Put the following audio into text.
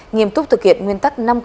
nghiêm túc thực hiện nguyên tắc năm